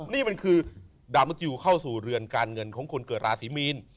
นี่มันคือดาวมะกิวเข้าสู่เรือนการเงินของคนเกิดราศีมีน